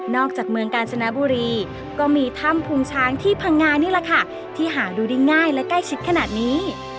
จากเมืองกาญจนบุรีก็มีถ้ำภูมิช้างที่พังงานี่แหละค่ะที่หาดูได้ง่ายและใกล้ชิดขนาดนี้